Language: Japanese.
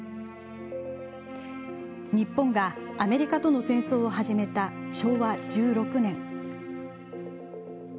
日本がアメリカとの戦争を始めた昭和１６年。